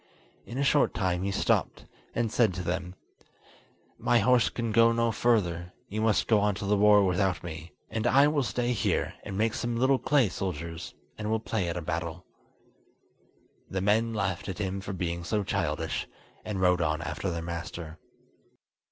In a short time he stopped, and said to them: "My horse can go no further; you must go on to the war without me, and I will stay here, and make some little clay soldiers, and will play at a battle." The men laughed at him for being so childish, and rode on after their master.